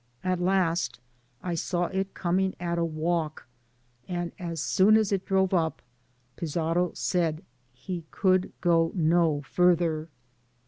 At last I saw it coming at a walk, and as soon as it drove up, Fizarro said he could go no farther.